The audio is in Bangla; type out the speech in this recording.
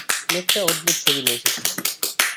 উনি একটা অদ্ভুত ছবি নিয়ে এসেছিলেন।